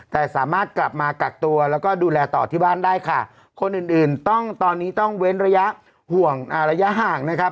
แต่สามารถกลับมากักตัวแล้วก็ดูแลต่อที่บ้านได้ค่ะคนอื่นอื่นต้องตอนนี้ต้องเว้นระยะห่วงระยะห่างนะครับ